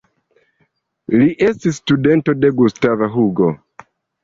Li estis studento de Gustav Hugo.